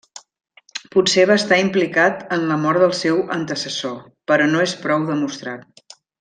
Potser va estar implicat en la mort del seu antecessor, però no és prou demostrat.